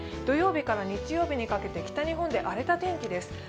土曜日から日曜日にかけて北日本で荒れた天気です。